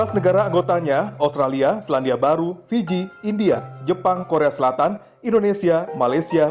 empat belas negara anggotanya australia selandia baru fiji india jepang korea selatan indonesia malaysia